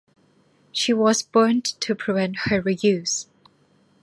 She was burnt to prevent her reuse.